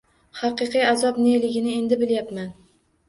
Haqiqiy azob neligini endi bilayapman